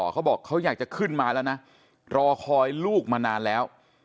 เขาบอกเขาอยากจะขึ้นมาแล้วนะรอคอยลูกมานานแล้ว